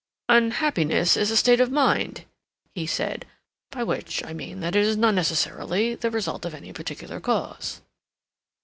"Unhappiness is a state of mind," he said, "by which I mean that it is not necessarily the result of any particular cause."